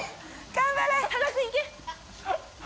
頑張れ！